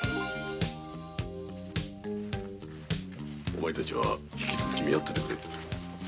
お前たちは引き続き見張ってくれ。